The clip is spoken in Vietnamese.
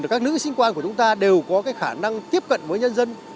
các nữ sinh quan của chúng ta đều có khả năng tiếp cận với nhân dân